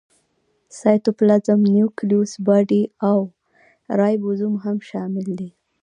سایټوپلازم، نیوکلیوس باډي او رایبوزوم هم شامل دي.